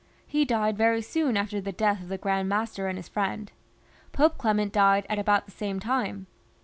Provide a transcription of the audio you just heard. He died very soon after the death of the Grand Master and his friend. Pope Clement died at about the same time.